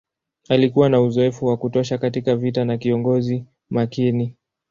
Alikuwa na uzoefu wa kutosha katika vita na kiongozi makini.